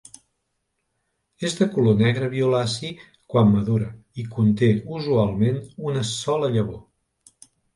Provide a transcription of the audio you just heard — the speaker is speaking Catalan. És de color negre violaci quan madura i conté usualment una sola llavor.